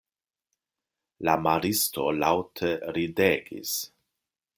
La maristo laŭte ridegis.